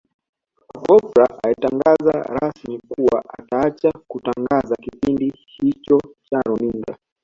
Oprah alitangaza rasmi kuwa ataacha kutangaza kipindi hicho cha Runinga